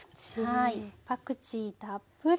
パクチーたっぷり！